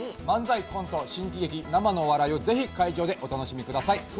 漫才、コント、新喜劇、生のお笑いをぜひ会場でお楽しみください。